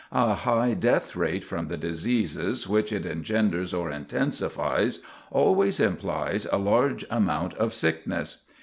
A high death rate from the diseases which it engenders or intensifies, always implies a large amount of sickness.